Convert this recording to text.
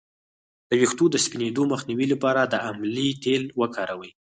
د ویښتو د سپینیدو مخنیوي لپاره د املې تېل وکاروئ